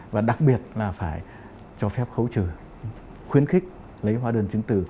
và đặc biệt là phải cho phép khấu trừ khuyến khích lấy hóa đơn chứng từ